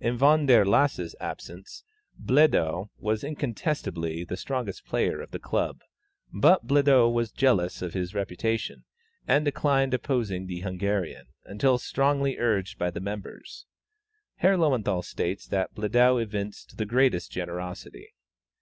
In Von der Lasa's absence, Bledow was incontestably the strongest player of the club; but Bledow was jealous of his reputation, and declined opposing the Hungarian, until strongly urged by the members. Herr Löwenthal states that Bledow evinced the greatest generosity.